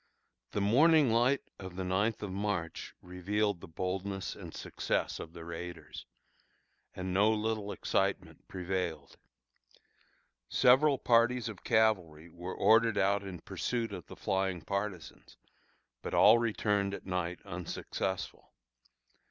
The morning light of the ninth of March revealed the boldness and success of the raiders, and no little excitement prevailed. Several parties of cavalry were ordered out in pursuit of the flying partisans, but all returned at night unsuccessful.